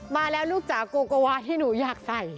มาแล้วลูกจ๋าโกโกวาที่หนูอยากใส่